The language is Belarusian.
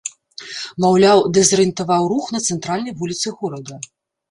Маўляў, дэзарыентаваў рух на цэнтральнай вуліцы горада.